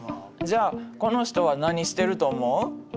じゃあこの人は何してると思う？